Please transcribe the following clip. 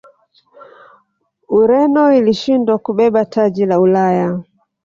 ureno ilishindwa kubeba taji la ulaya